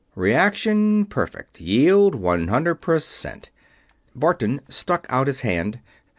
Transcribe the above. "Reaction, perfect. Yield, one hundred percent." Barton stuck out his hand.